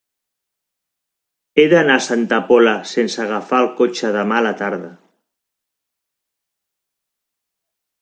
He d'anar a Santa Pola sense agafar el cotxe demà a la tarda.